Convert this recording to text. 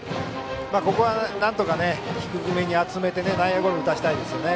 ここはなんとか低めに集めて内野ゴロを打たせたいですね。